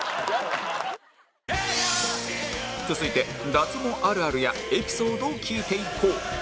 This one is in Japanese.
続いて脱毛あるあるやエピソードを聞いていこう